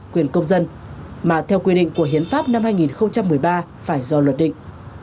quyền công dân mà theo quy định của hiến pháp năm hai nghìn một mươi ba phải do luật định